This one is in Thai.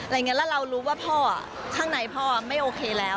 แล้วเรารู้ว่าพ่อข้างในพ่อไม่โอเคแล้ว